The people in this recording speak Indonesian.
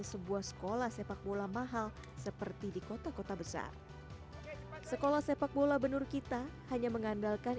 sebagai pelatih kepala ihwal digaji satu juta rupiah per bulan